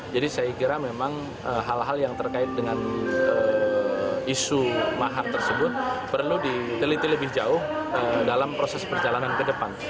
jadi saya kira memang hal hal yang terkait dengan isu mahar tersebut perlu diteliti lebih jauh dalam proses perjalanan ke depan